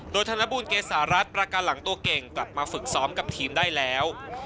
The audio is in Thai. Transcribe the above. โดยธนบูลเกษารัฐประการหลังตัวเก่งกลับมาฝึกซ้อมกับทีมได้แล้ว